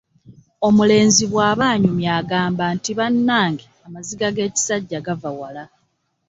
Omulenzi bw'aba anyumya agamba nti bannange amaziga g'ekisajja gava wala.